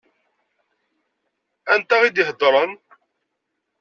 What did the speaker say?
Anta i d-iheddṛen?